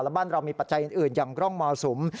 บ้านเรามีปัจจัยอื่นอย่างร่องมรสุม